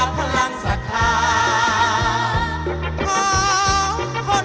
เพื่อพลังสะท้าของคนลูกทุก